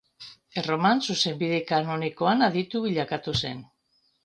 Erroman, zuzenbide kanonikoan aditu bilakatu zen.